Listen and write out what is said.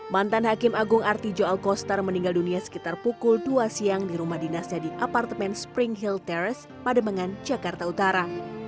mantan hakim agung artijo alkostar meninggal dunia sekitar pukul dua siang di rumah dinasnya di apartemen spring hill terrace pademangan jakarta utara